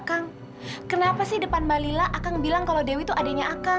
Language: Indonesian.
kenapa di depan nona lila saya bilang dewi adik saya